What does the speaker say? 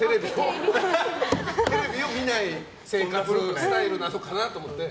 テレビを見ない生活スタイルなのかなと思って。